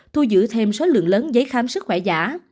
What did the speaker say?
thu giữ thêm số lượng lớn giấy khám sức khỏe giả